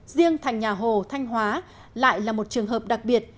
riêng thành nhà hồ thanh hóa lại là một trường hợp đặc biệt